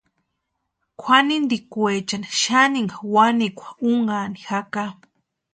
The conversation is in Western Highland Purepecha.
Kwʼanintikwechani xaninka wanikwa únhani jaka.